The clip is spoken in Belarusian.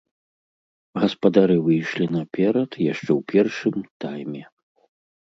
Гаспадары выйшлі наперад яшчэ ў першым тайме.